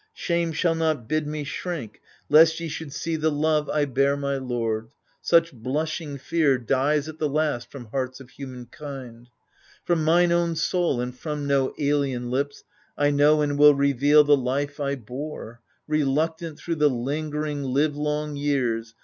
Shame shall not bid me shrink lest ye should see 38 AGAMEMNON ' The love I bear my lord. Such blushing fear Dies at the last from hearts of human kind. From mine own soul and from no alien lips, I know and will reveal the life I bore, Reluctant, through the lingering livelong years.